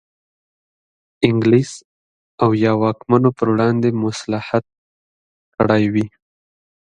انګلیس او یا واکمنو پر وړاندې مصلحت کړی وي.